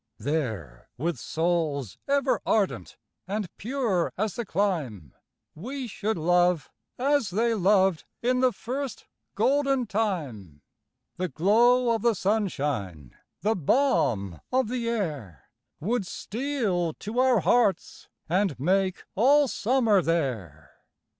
There, with souls ever ardent and pure as the clime, We should love, as they loved in the first golden time; The glow of the sunshine, the balm of the air, Would steal to our hearts, and make all summer there.